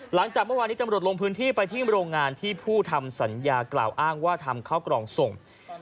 หลังจากเมื่อวานนี้ตำรวจลงพื้นที่ไปที่โรงงานที่ผู้ทำสัญญากล่าวอ้างว่าทำข้าวกล่องส่ง